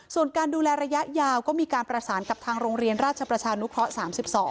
ส่วนการดูแลระยะยาวก็มีการประสานกับทางโรงเรียนราชประชานุเคราะห์๓๒